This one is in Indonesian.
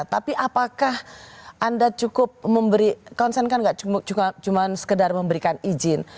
tapi apakah anda cukup memberi konsen kan nggak cuma sekedar memberikan izin